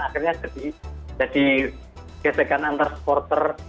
akhirnya jadi gesekan antar supporter